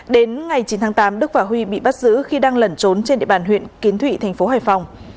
đến ngày chín tháng tám đức và huy bị bắt giữ khi đang lẩn trốn trên địa bàn huyện kiến thụy thành phố hải phòng